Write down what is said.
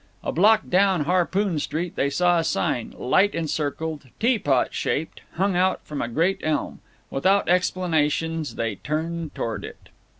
A block down Harpoon Street they saw a sign, light encircled, tea pot shaped, hung out from a great elm. Without explanations they turned toward it.